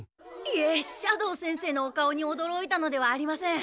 いえ斜堂先生のお顔におどろいたのではありません。